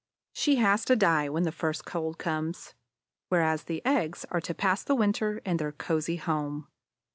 She has to die when the first cold comes, whereas the eggs are to pass the winter in their cozy home.